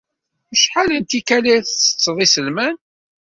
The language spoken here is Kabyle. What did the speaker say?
Acḥal n tikkal ay tettetteḍ iselman?